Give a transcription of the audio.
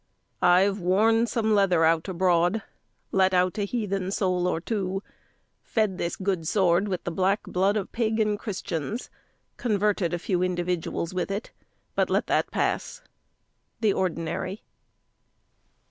I've worn some leather out abroad; let out a heathen soul or two; fed this good sword with the black blood of pagan Christians; converted a few individuals with it. But let that pass. THE ORDINARY.